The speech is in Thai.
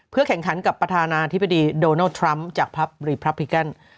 แข่งขันกับประธานาธิบดีโดนัลดทรัมป์จากพับรีพรับพิกัน